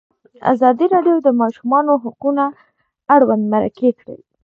ازادي راډیو د د ماشومانو حقونه اړوند مرکې کړي.